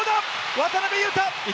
渡邊雄太。